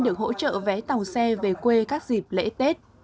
được hỗ trợ vé tàu xe về quê các dịp lễ tết